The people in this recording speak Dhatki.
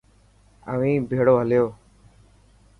اوهين ڀيڙو هليو.